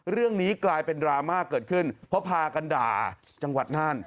เรื่องนี้กลายเป็นดราม่าเกิดขึ้นเพราะพากันด่าจังหวัดน่าน